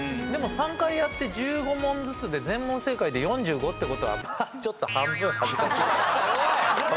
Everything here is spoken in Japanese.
でも３回やって１５問ずつで全問正解で４５ってことはまあちょっと。